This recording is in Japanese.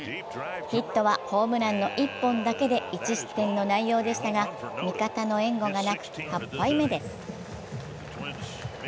ヒットはホームランの１本だけで１失点の内容でしたが、味方の援護がなく８敗目です。